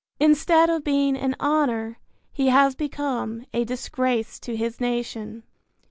Instead of being an honor he has become a disgrace to his nation.